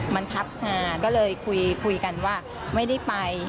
มันทับงานก็เลยคุยกันว่าไม่ได้ไป